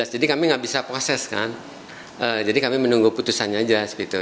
jadi kami tidak bisa proseskan jadi kami menunggu putusannya saja